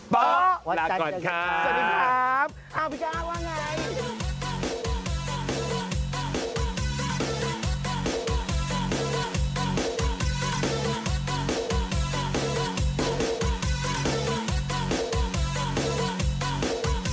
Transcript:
ปหลาก่อนค่ะสวัสดีครับอ้าวพี่ก้าวว่าไง